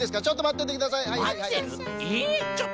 ちょっとまっててください。